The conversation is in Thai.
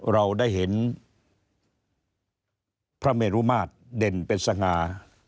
เราได้เห็นพระเมรุมาตรเด่นเป็นสง่า